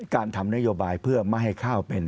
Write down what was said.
การทำนโยบายเพื่อไม่ให้ข้าวเป็น